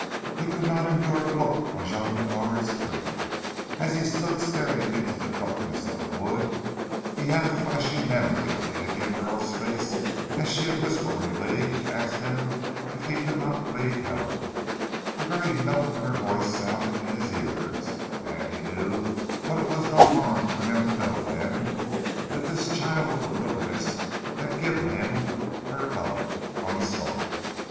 He could not endure to look on Jean Bènard's grief. As he stood staring into the darkness of the wood, he had a flashing memory of the Indian girl's face as she had whisperingly asked him if he could not leave Helen, the very note in her voice sounded in his ears, and, he knew what it was no harm for him to know then, that this child of the wilderness had given him her love, unsought.